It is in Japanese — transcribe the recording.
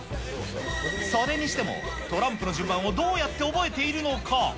それにしても、トランプの順番をどうやって覚えているのか。